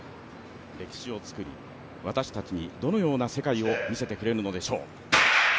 歴史を作り、私たちにどのような世界を見せてくれるのでしょう。